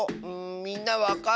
みんなわかる？